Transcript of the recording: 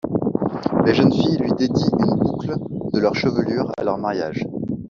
Les jeunes filles lui dédient une boucle de leur chevelure, à leur mariage.